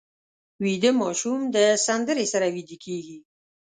ویده ماشوم د سندرې سره ویده کېږي